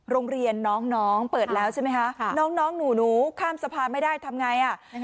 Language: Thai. โรงเรียนน้องเปิดแล้วใช่ไหมคะน้องหนูข้ามสะพานไม่ได้ทำไงอ่ะ